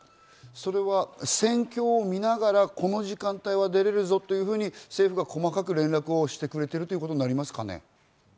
それは戦況を見ながら、この時間帯は出られるぞというふうに政府が細かく連絡をしてくれてるということですかね。